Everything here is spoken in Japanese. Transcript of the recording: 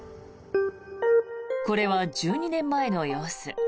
これは１２年前の様子。